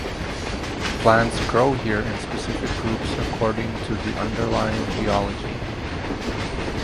Plants grow here in specific groups according to the underlying geology.